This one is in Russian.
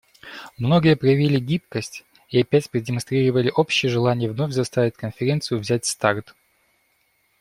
Многие проявили гибкость и опять продемонстрировали общее желание вновь заставить Конференцию взять старт.